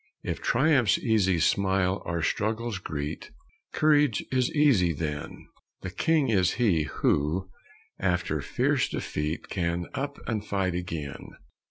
If triumph's easy smile our struggles greet, Courage is easy then; The king is he who, after fierce defeat, Can up and fight again.